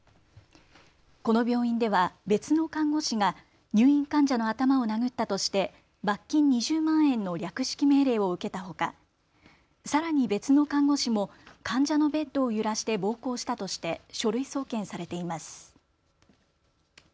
この病院では別の看護師が入院患者の頭を殴ったとして罰金２０万円の略式命令を受けたほか、さらに別の看護師も患者のベッドを揺らして暴行したとして書類送検されています。